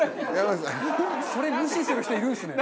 それ無視する人いるんですね。